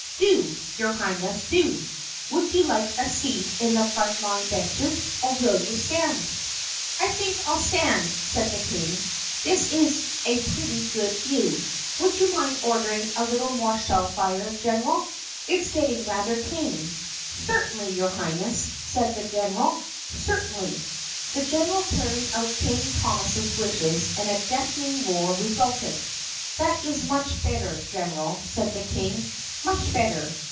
"Do, your Highness, do! Would you like a seat in the front line benches or will you stand?" "I think I 'll stand," said the King. "This is a pretty good view. Would you mind ordering a little more shell fire, gen eral? It 's getting rather tame." "Certainly, your Highness," said the general, "certainly!" The general carried out King Thomas's wishes and a deafening roar resulted. "That is much better, General," said the King, "much better.